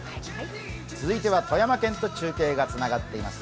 続いては富山県と中継がつながっています。